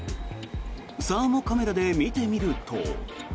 サーモカメラで見てみると。